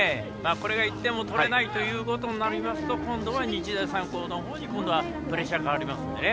これが１点も取れないということになりますと今度は日大三高のほうにプレッシャーがかかりますね。